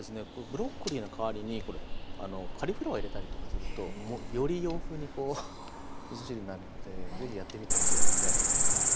ブロッコリーの代わりにこれカリフラワー入れたりとかするとより洋風にこうみそ汁になるのでぜひやってみてほしいですね。